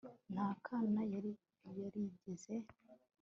nta kana yari yarigeze